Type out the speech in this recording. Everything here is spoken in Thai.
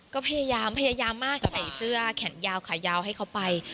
ก็พยายามพยายามมากใส่เสื้อแขนยาวขายาวให้เขาไป